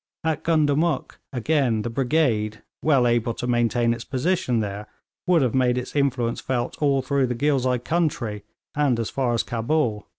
At Gundamuk, again, the brigade, well able to maintain its position there, would have made its influence felt all through the Ghilzai country and as far as Cabul.